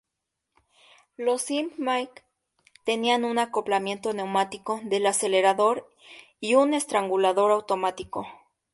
Los Imp Mk I tenían un acoplamiento neumático del acelerador y un estrangulador automático.